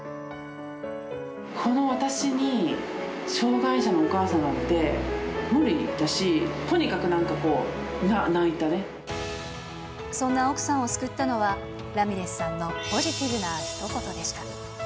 この私に、障がい者のお母さんなんて無理だし、とにかくなんかこう、泣いたそんな奥さんを救ったのは、ラミレスさんのポジティブなひと言でした。